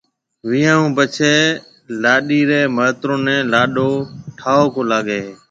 ويهان هون پڇيَ لاڏيِ ري مائيترو نَي لاڏو ٺائوڪو لاگي هيَ۔